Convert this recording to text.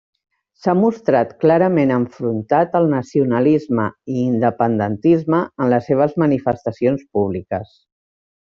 S'ha mostrat clarament enfrontat al nacionalisme i independentisme en les seves manifestacions públiques.